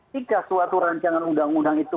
jika suatu rancangan undang undang itu